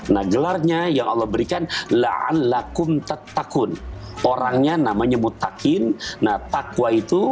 nah gelarnya yang allah berikan la an lakum tat takkun orangnya namanya mutakin nah takwa itu